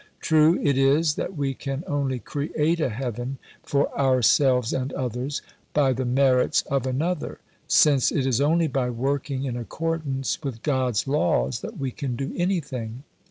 True it is that we can only create a heaven for ourselves and others "by the merits of Another," since it is only by working in accordance with God's Laws that we can do anything.